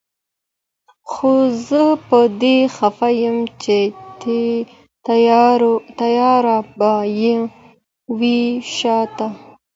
خو زه په دې خفه يم چي تياره به يې وي شاته